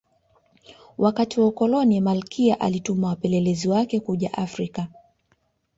wakati wa ukoloni malkia alituma wapelelezi wake kuja afrika